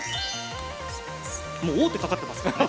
もう王手かかってますからね。